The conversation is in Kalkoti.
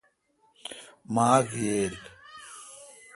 ماک ییل۔